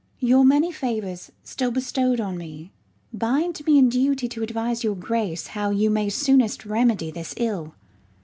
Skall. Your many favours still bestow'd on me, Bind me in duty to advise your grace, How you may soonest remedy this ill.